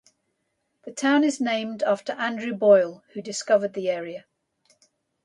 The town is named after Andrew Boyle, who discovered the area.